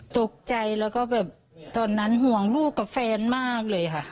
ตกใจแล้วก็แบบตอนนั้นห่วงลูกกับแฟนมากเลยค่ะ